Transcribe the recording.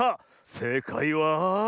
せいかいは？